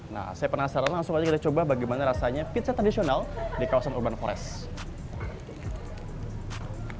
nah saya penasaran langsung aja kita coba bagaimana rasanya pizza tradisional di kawasan urban forest